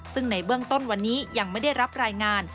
ซึ่งในเบื้องต้นวันนี้ยังไม่ได้รับรายงาน